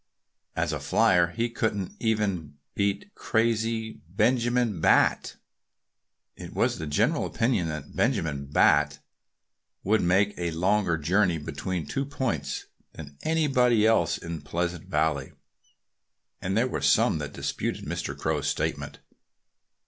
"As a flier he couldn't even beat crazy Benjamin Bat." It was the general opinion that Benjamin Bat could make a longer journey between two points than anybody else in Pleasant Valley. And there were some that disputed Mr. Crow's statement.